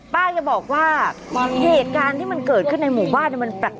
ป้าจะบอกว่าเหตุการณ์ที่มันเกิดขึ้นในหมู่บ้านมันแปลก